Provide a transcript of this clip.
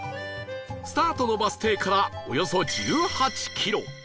スタートのバス停からおよそ１８キロ